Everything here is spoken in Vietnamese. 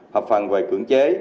hợp phần về cưỡng chế